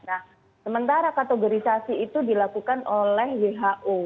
nah sementara kategorisasi itu dilakukan oleh who